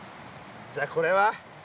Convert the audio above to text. じゃあこれは？